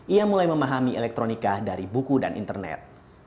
ia mulai memahami elektronika dari buku dan internet